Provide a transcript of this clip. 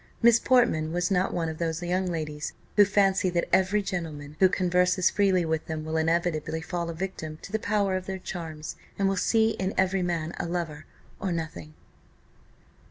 Miss Portman was not one of those young ladies who fancy that every gentleman who converses freely with them will inevitably fall a victim to the power of their charms, and will see in every man a lover, or nothing.